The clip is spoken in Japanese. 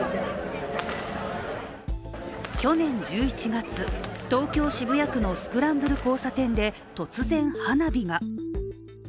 去年１１月、東京・渋谷区のスクランブル交差点で突然花火が。